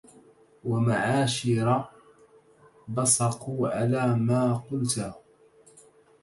ومعاشر بصقوا على ما قلته